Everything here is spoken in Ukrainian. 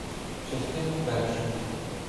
ЧАСТИНА ПЕРША